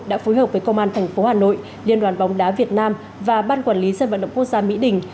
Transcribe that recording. đã phối hợp với công an thành phố hà nội liên đoàn bóng đá việt nam và ban quản lý dân vận động quốc gia mỹ đình